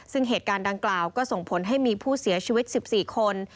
ซึ่งเหตุการณ์ดังกล่าวก็ส่งผลให้มีผู้เสียชีวิต๑๔คน